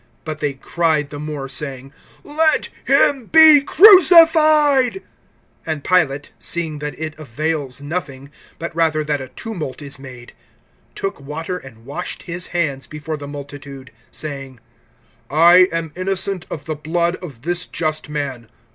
But they cried the more, saying: Let him be crucified. (24)And Pilate, seeing that it avails nothing, but rather that a tumult is made, took water and washed his hands before the multitude, saying: I am innocent of the blood of this just man.